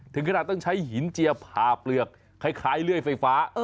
ถึงขนาดต้องใช้หินเจียผ่าเปลือกคล้ายเลื่อยไฟฟ้า